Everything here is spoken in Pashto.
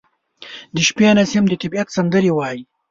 • د شپې نسیم د طبیعت سندرې وايي.